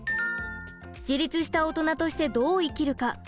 自立したオトナとしてどう生きるか？